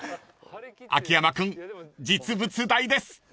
［秋山君実物大です］